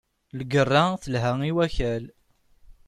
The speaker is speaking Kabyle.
Lgerra telha i wakal.